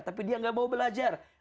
tapi dia nggak mau belajar